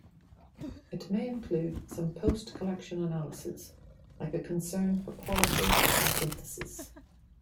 It may include some post-collection analysis like a concern for quality or synthesis.